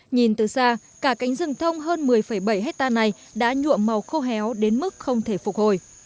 nhìn từ xa cả cánh rừng thông hơn một mươi bảy hectare này đã nhuộm màu khô héo đến mức không thể phục hồi